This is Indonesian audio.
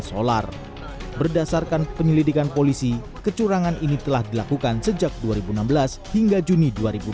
solar berdasarkan penyelidikan polisi kecurangan ini telah dilakukan sejak dua ribu enam belas hingga juni dua ribu dua puluh